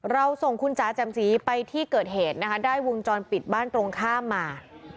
เราส่งคุณจ๋าแจ่มสีไปที่เกิดเหตุนะคะได้วงจรปิดบ้านตรงข้ามมา